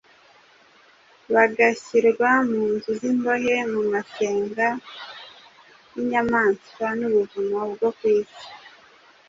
bagashyirwa mu nzu z’imbohe, mu masenga y’inyamaswa n’ubuvumo bwo ku isi,